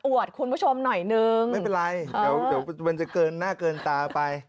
คุณผู้ชมหน่อยนึงไม่เป็นไรเดี๋ยวมันจะเกินหน้าเกินตาไป